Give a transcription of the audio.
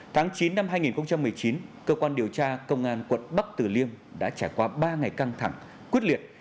tháng chín năm hai nghìn một mươi chín cơ quan điều tra công an quận bắc tử liêm đã trải qua ba ngày căng thẳng quyết liệt